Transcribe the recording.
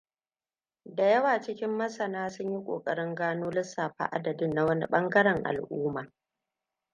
Da yawa cikin masana sunyi kokarin gano lissafa adadin na wani bangaren al’umma.